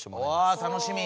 わ楽しみ。